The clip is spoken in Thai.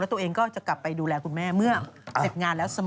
ตัวเองก็จะกลับไปดูแลคุณแม่เมื่อเสร็จงานแล้วเสมอ